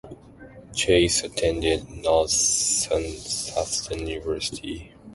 Chase attended Northeastern University.